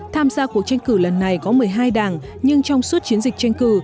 tham gia cuộc tranh cử lần này có một mươi hai đảng nhưng trong suốt chiến dịch tranh cử